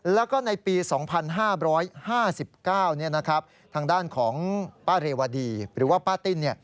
แล้วก็ในปี๒๕๕๙ทางด้านของป้าเรวดีหรือว่าป้าติ้น